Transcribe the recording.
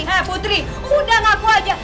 eh putri udah ngaku aja